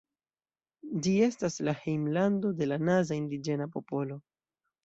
Ĝi estas la hejmlando de la Naza indiĝena popolo.